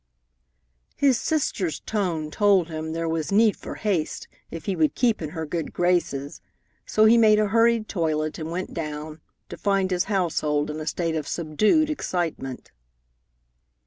His sister's tone told him there was need for haste if he would keep in her good graces, so he made a hurried toilet and went down, to find his household in a state of subdued excitement.